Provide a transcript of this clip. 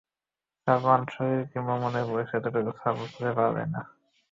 সালমানের শরীর কিংবা মনে বয়সের এতটুকু ছাপও খুঁজে পাওয়া যায় না।